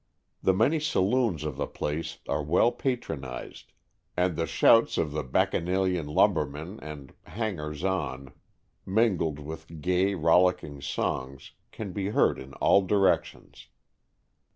The many saloons of the place are well 104 Stories from the Adirondack;. patronized and the shouts of the bac chanalian lumbermen and "hangers on," mingled with gay, rollicking songs, can be heard in all directions.